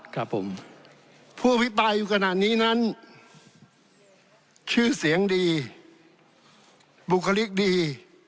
ครับผมผู้อภิปรายอยู่ขณะนี้นั้นชื่อเสียงดีบุคลิกดี